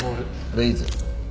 レイズ。